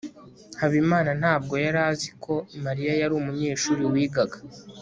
habimana ntabwo yari azi ko mariya yari umunyeshuri wigaga